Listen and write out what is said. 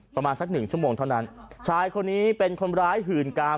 ประมาณสักหนึ่งชั่วโมงเท่านั้นชายคนนี้เป็นคนร้ายหื่นกาม